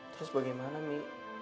terus bagaimana mi